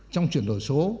trong chuyển đổi số